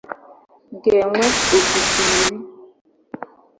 ga-enwe òkpùkpù iri